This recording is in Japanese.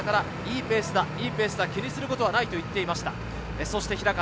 いいペースだ、気にすることはないと言っていました。